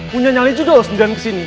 punya nyali judul sedang kesini